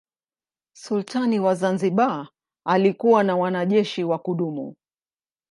Sultani wa Zanzibar alikuwa na wanajeshi wa kudumu.